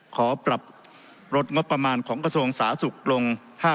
ขอปรับลดงบประมาณของกระทรวงสาธารณสุขลง๕๐